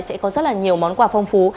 sẽ có rất là nhiều món quà phong phú